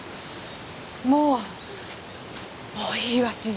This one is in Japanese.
もうもういいわ千鶴。